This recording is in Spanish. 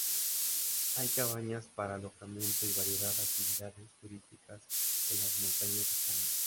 Hay cabañas para alojamiento y variadas actividades turísticas en las montañas cercanas.